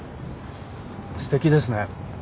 すてきですね。